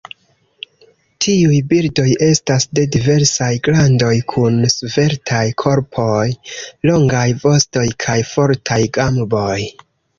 Tiuj birdoj estas de diversaj grandoj kun sveltaj korpoj, longaj vostoj kaj fortaj gamboj.